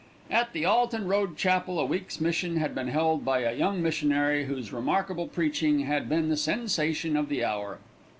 At the Alton Road Chapel a week's mission had been held by a young missionary, whose remarkable preaching had been the sensation of the hour.